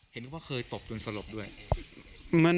เห็นว่าเคยตบจนสลบด้วย